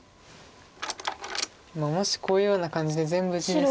もしこういうような感じで全部地ですと。